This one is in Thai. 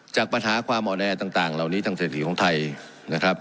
จากปัญหาความอ่อนแอต่างเหล่านี้ทางเศรษฐีของไทยนะครับ